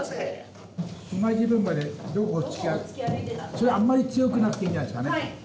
それあんまり強くなくていいんじゃないですかねはい！